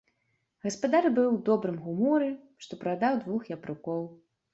Гаспадар быў у добрым гуморы, што прадаў двух япрукоў.